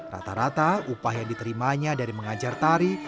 rata rata upah yang diterimanya dari mengajar tari